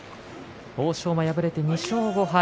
欧勝馬は敗れて２勝５敗。